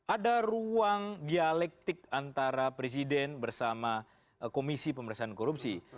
ada ruang dialektik antara presiden bersama komisi pemerintahan korupsi